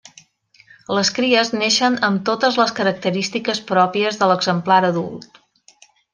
Les cries neixen amb totes les característiques pròpies de l'exemplar adult.